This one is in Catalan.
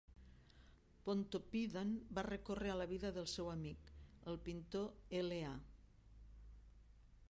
Pontoppidan va recórrer a la vida del seu amic, el pintor L. A.